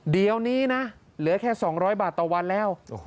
เดี๋ยวนี้นะเหลือแค่๒๐๐บาทต่อวันแล้ว